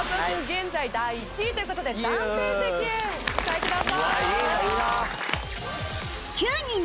現在第１位という事で暫定席へお座りください。